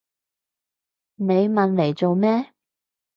你問嚟做咩？